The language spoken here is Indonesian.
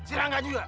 si rangga juga